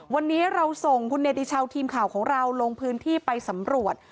วันนี้เราส่งคุณเนติชาวทีมข่าวของเราลงพื้นที่ไปสำรวจ